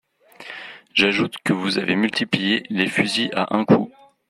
J’ajoute que vous avez multiplié les fusils à un coup.